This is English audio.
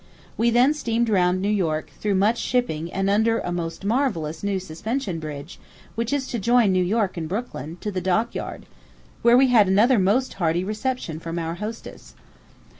We then steamed round New York through much shipping and under a most marvellous new suspension bridge, which is to join New York and Brooklyn, to the dockyard; where we had another most hearty reception from our hostess.